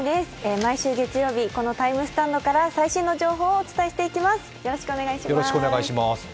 毎週月曜日、このＴＩＭＥスタンドから最新の情報をお伝えしていきます、よろくしお願いします。